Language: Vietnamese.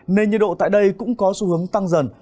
nên nhiệt độ tại đây cũng có xu hướng tăng dần